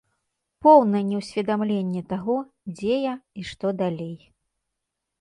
Поўнае неўсведамленне таго, дзе я і што далей.